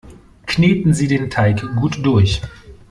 Kneten Sie den Teig gut durch!